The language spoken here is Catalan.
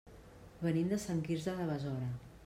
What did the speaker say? Venim de Sant Quirze de Besora.